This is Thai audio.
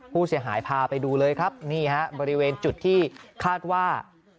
ผู้เสียหายพาไปดูเลยครับนี่ฮะบริเวณจุดที่คาดว่า